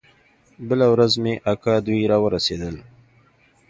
بله ورځ مې اکا دوى راورسېدل.